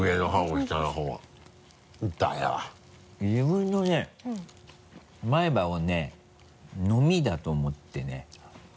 自分のね前歯をねのみだと思ってね。